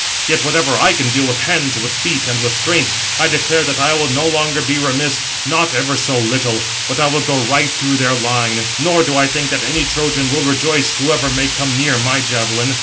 Yet whatever I can do with hands, with feet, and with strength, I declare that I will no longer be remiss, not ever so little; but I will go right through their line, nor do I think that any Trojan will rejoice, whoever may come near my javelin."